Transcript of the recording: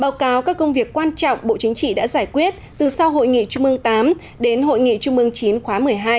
báo cáo các công việc quan trọng bộ chính trị đã giải quyết từ sau hội nghị chung mương viii đến hội nghị chung mương ix khóa một mươi hai